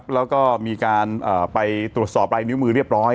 แล้วก็มีการไปตรวจสอบลายนิ้วมือเรียบร้อย